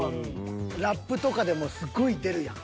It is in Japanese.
ラップとかでもすごい出るやん。